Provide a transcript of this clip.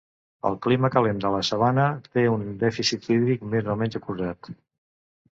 El clima calent de la sabana té un dèficit hídric més o menys acusat.